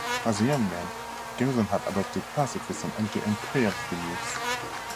As a young man, Garrison had adopted pacifist and anti-imperialist beliefs.